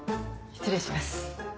失礼します。